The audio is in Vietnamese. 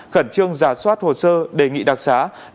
khẩn trương giả soát hồ sơ đề nghị đặc xá